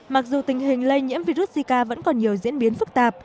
mặc dù tình hình lây nhiễm virus zika vẫn còn nhiều diễn biến phức tạp